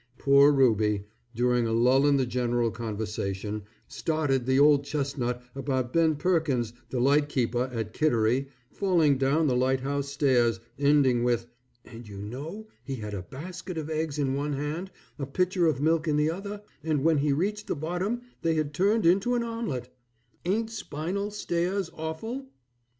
Poor Ruby, during a lull in the general conversation, started the old chestnut about Ben Perkins the light keeper at Kittery falling down the light house stairs, ending with, "and you know he had a basket of eggs in one hand, a pitcher of milk in the other, and when he reached the bottom they had turned into an omelette. Ain't spinal stairs awful?"